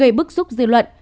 gây bức xúc dư luận